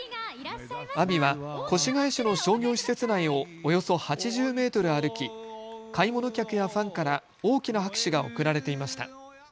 阿炎は越谷市の商業施設内をおよそ８０メートル歩き買い物客やファンから大きな拍手が送られていました。